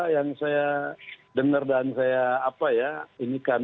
yang saya dengar dan saya inginkan